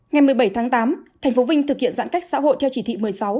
ngày một mươi bảy tháng tám tp vinh thực hiện giãn cách xã hội theo chỉ thị một mươi sáu